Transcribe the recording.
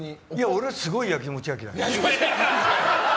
俺はすごいやきもちやきだから。